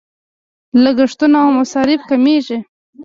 لګښتونه او مصارف کمیږي.